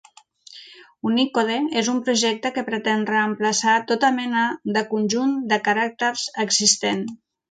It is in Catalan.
Unicode és un projecte que pretén reemplaçar tota mena de conjunt de caràcters existent.